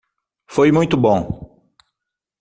Foi muito bom.